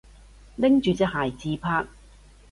拎住隻鞋自拍